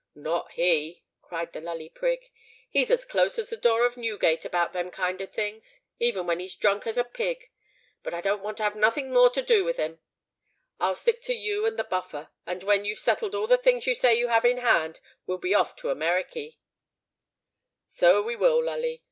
"Not he!" cried the Lully Prig: "he's as close as the door of Newgate about them kind of things, even when he's as drunk as a pig. But I don't want to have nothing more to do with him; I'll stick to you and the Buffer; and when you've settled all the things you say you have in hand, we'll be off to Americky." "So we will, Lully.